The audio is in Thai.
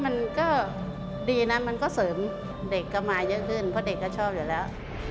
เพราะเด็กก็ชอบอยู่แล้ว